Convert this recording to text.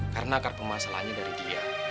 karena kar pemasalahannya dari dia